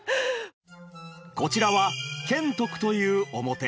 こちらは賢徳という面。